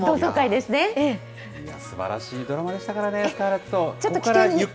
すばらしいドラマでしたからね、スカーレット。